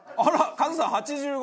カズさん８５？